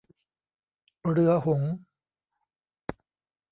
เรือหงส์